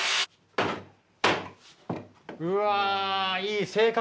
うわいい正確。